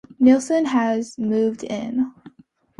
Nilson has moved in.